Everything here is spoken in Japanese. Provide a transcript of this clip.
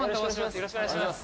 よろしくお願いします